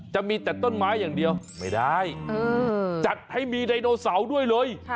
จะมีแต่ต้นไม้อย่างเดียวไม่ได้จัดให้มีไดโนเสาร์ด้วยเลย